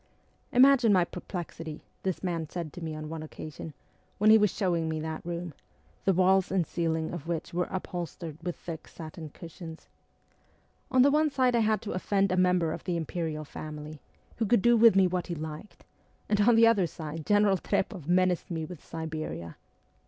Imagine my perplexity,' this man said to me on one occasion, when he was showing me that room, the walls and ceiling of which were upholstered with thick satin cushions. ' On the one side I had to offend a member of the Imperial Family, who could do with me what he liked, and on the other side General Trpoff menaced me with Siberia